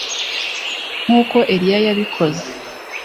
nk’uko eliya yabikoze